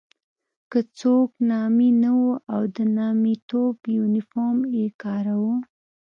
که څوک نامي نه وو او د نامیتوب یونیفورم یې کاراوه.